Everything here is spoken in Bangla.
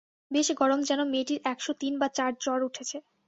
বেশ গরম যেন মেয়েটির এক শ তিন বা চার জ্বর উঠেছে।